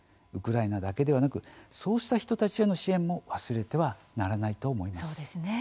ウクライナだけではなくそうした人たちへの支援も忘れてはならないと思います。